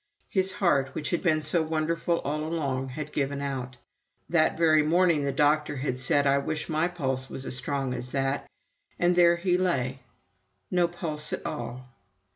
His heart, which had been so wonderful all along, had given out. That very morning the doctor had said: "I wish my pulse was as strong as that!" and there he lay no pulse at all.